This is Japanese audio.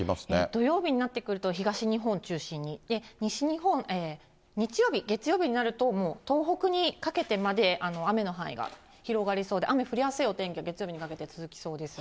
土曜日になってくると、東日本を中心に、西日本、日曜日、月曜日になると、もう東北にかけてまで、雨の範囲が広がりそうで、雨降りやすいお天気、月曜日にかけて続きそうです。